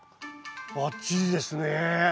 ばっちりですね！